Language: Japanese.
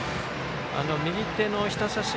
右手の人さし指